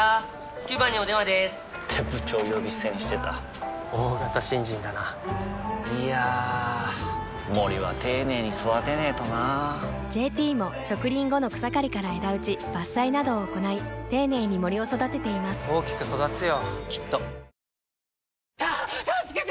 ９番にお電話でーす！って部長呼び捨てにしてた大型新人だないやー森は丁寧に育てないとな「ＪＴ」も植林後の草刈りから枝打ち伐採などを行い丁寧に森を育てています大きく育つよ